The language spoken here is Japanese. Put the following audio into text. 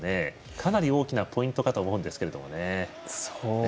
かなり大きなポイントかと思いますよね。